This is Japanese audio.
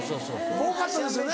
多かったですよね。